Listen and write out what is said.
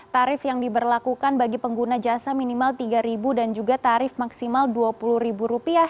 tarif yang diberlakukan bagi pengguna jasa minimal rp tiga dan juga tarif maksimal rp dua puluh